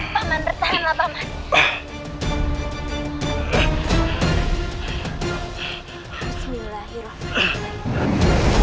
baman bertahanlah baman